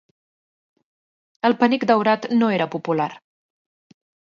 El penic daurat no era popular.